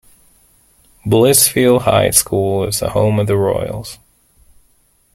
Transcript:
Blissfield High School is the home of the Royals.